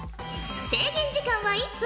制限時間は１分。